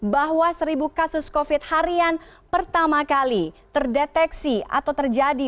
bahwa seribu kasus covid harian pertama kali terdeteksi atau terjadi